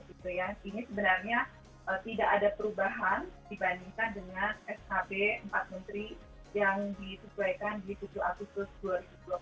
ini sebenarnya tidak ada perubahan dibandingkan dengan skb empat menteri yang disesuaikan di tujuh agustus dua ribu dua puluh